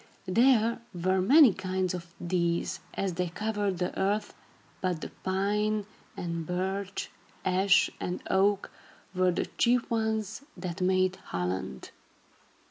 There were many kinds of these, as they covered the earth, but the pine and birch, ash and oak, were the chief ones that made Holland.